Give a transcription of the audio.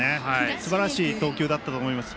すばらしい投球だったと思います。